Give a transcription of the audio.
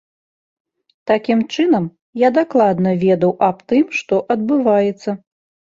Такім чынам, я дакладна ведаў аб тым, што адбываецца.